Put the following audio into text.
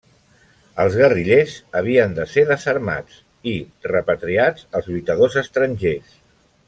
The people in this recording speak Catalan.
Els guerrillers havien de ser desarmats i repatriats els lluitadors estrangers.